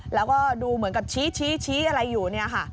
แล้วก็ดูเหมือนกับชี้อะไรอยู่